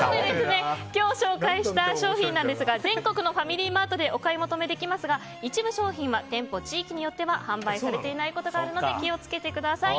今日紹介した商品ですが全国のファミリーマートでお買い求めできますが一部商品は店舗地域によっては販売されていないことがあるので気をつけてください。